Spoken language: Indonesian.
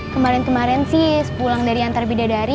kemarin kemaren sis pulang dari antar bidadari